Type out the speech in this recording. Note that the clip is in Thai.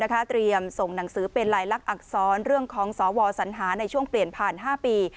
เตรียมส่งหนังสือเป็นลายลักษณอักษรเรื่องของสวสัญหาในช่วงเปลี่ยนผ่าน๕ปี